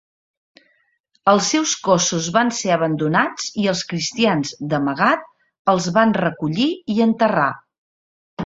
Els seus cossos van ser abandonats i els cristians, d'amagat, els van recollir i enterrar.